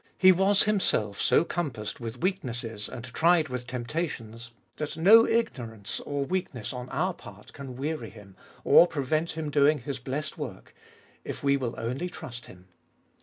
He was Himself so compassed with weaknesses and tried with temptations, that no Ignorance or weakness on our part can weary Him, or prevent Him doing His blessed work— if we will only trust Him.